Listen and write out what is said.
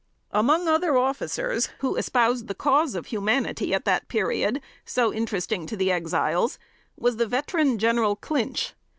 Among other officers who espoused the cause of humanity at that period, so interesting to the Exiles, was the veteran General Clinch.